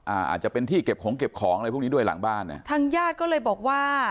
อาจจะเป็นที่เก็บของเก็บของอะไรพวกนี้ด้วยหลังบ้านอ่ะทางญาติก็เลยบอกว่า